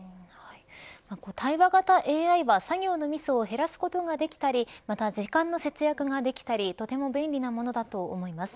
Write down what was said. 対話型ＡＩは作業のミスを減らすことができたりまた、時間の節約ができたりとても便利だものだと思います。